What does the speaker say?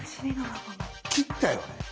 切ったよね？